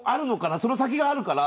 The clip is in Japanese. その先もあるから。